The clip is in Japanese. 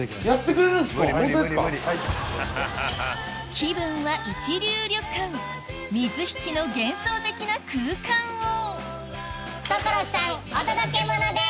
気分は一流旅館水引の幻想的な空間を所さんお届けモノです！